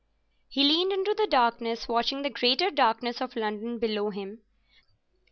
He leaned into the darkness, watching the greater darkness of London below him.